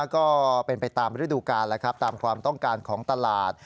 ก็เป็นไปตามฤดูกาลแล้วครับตามความต้องการของตลาด